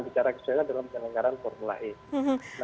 bicara keseluruhan dalam penyelenggaran formula e